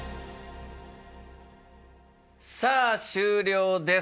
さあ終了です。